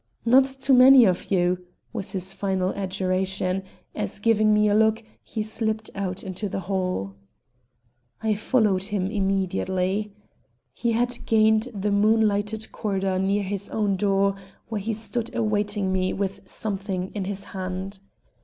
"Not too many of you," was his final adjuration, as, giving me a look, he slipped out into the hall. I followed him immediately. He had gained the moon lighted corridor near his own door, where he stood awaiting me with something in his hand.